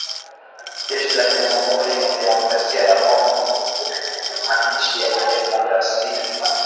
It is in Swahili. Jeshi la Jamuhuri ya kidemokrasia ya Kongo linasema limeua waasi kumi na moja wa Waasi washirika ya majeshi ya kidemokrasia